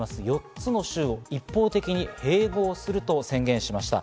４つの州を一方的に併合すると宣言しました。